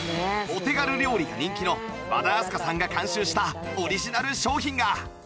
お手軽料理が人気の和田明日香さんが監修したオリジナル商品が